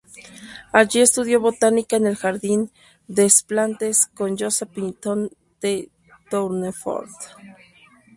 Allí estudió botánica en el Jardin des Plantes con Joseph Pitton de Tournefort.